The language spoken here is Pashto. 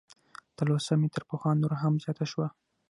تلوسه مې تر پخوا نوره هم زیاته شوه.